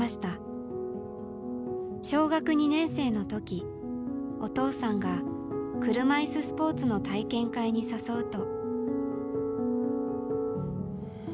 小学２年生の時お父さんが車いすスポーツの体験会に誘うと。